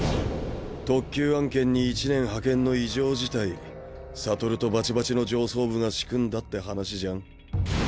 特級案件に一年派遣の異常事態悟とバチバチの上層部が仕組んだって話じゃん。